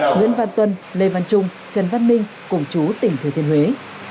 nguyễn văn tuân lê văn trung trần văn minh cùng chú tỉnh thừa thiên huế